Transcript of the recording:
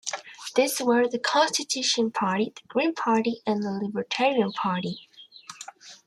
These were the Constitution Party, the Green Party, and the Libertarian Party.